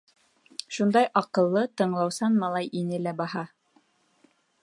Шундай аҡыллы, тыңлаусан малай ине лә баһа.